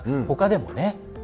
ほかでもね。